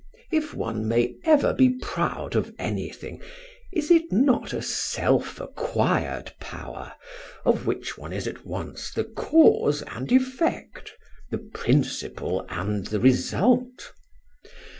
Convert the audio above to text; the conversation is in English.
If one may ever be proud of anything, is it not a self acquired power, of which one is at once the cause and effect, the principle and the result?